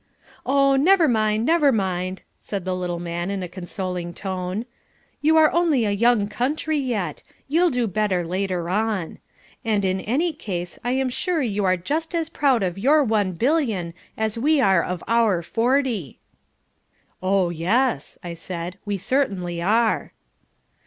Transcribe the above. "Oh, never mind, never mind," said the little man in a consoling tone. "You are only a young country yet. You'll do better later on. And in any case I am sure you are just as proud of your one billion as we are of our forty." "Oh, yes," I said, "we certainly are."